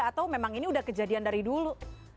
atau memang ini udah kejadian dari dulu